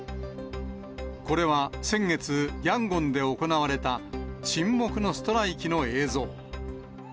これは先月、ヤンゴンで行われた沈黙のストライキの映像。